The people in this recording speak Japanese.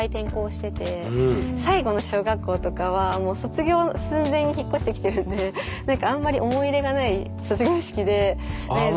最後の小学校とかはもう卒業寸前に引っ越してきてるんで何かあんまり思い入れがない卒業式で。